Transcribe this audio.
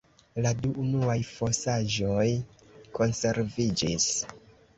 La du unuaj fosaĵoj konserviĝis.